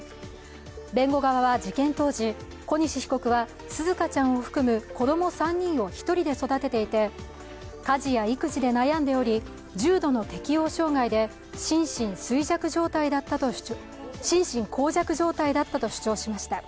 弁護側は、事件当時、小西被告は紗花ちゃんを含む子供３人を１人で育てていて家事や育児で悩んでおり重度の適応障害で心神耗弱状態だったと主張しました。